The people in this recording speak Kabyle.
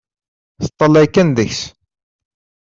Teṭṭalay kan deg-s.